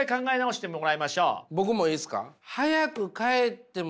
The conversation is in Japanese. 僕もいいですか？